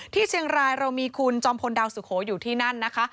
ที่เชียงรายเรามีคุณจอมพลดาวสุโขอยู่ที่นั่นนะคะ